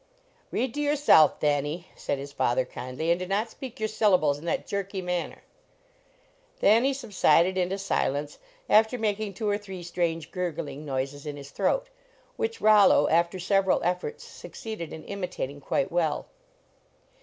"Read to yourself, Thanny/ said his father kindly, " and do not speak your sylla bles in that jerky manner." Thanny subsided into silence, after mak ing two or three strange gurgling noises in his throat, which Rollo, after several efforts, succeeded in imitating quite well.